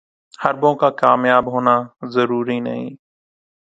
حربوں کا کامیاب ہونا ضروری نہیں